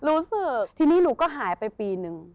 รู้สึกทีนี้หนูก็หายไปปีนึง